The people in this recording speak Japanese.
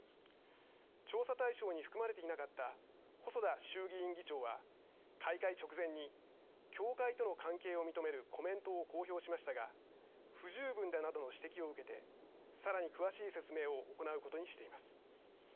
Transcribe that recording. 調査対象に含まれていなかった細田衆議院議長は開会直前に教会との関係を認めるコメントを公表しましたが不十分だなどの指摘を受けてさらに詳しい説明を行うことにしています。